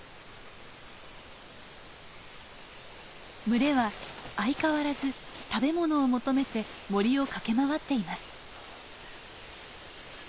群れは相変わらず食べ物を求めて森を駆け回っています。